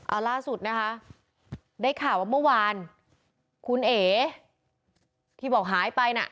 เอาล่าสุดนะคะได้ข่าวว่าเมื่อวานคุณเอ๋ที่บอกหายไปน่ะ